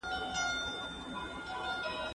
که علم په خپل کلتور کې وي، نو بهګت نه وي.